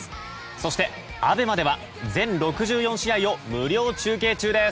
そしてＡＢＥＭＡでは全６４試合を無料中継中です。